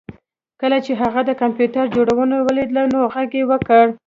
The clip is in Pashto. کله چې هغه د کمپیوټر جوړونکی ولید نو غږ یې وکړ